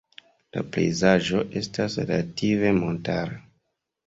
La pejzaĝo estas relative montara.